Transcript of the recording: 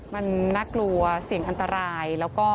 มันน่ากลัวเสียงอันตราย